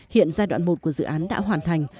hiện giai đoạn một của dự án đã hoàn thành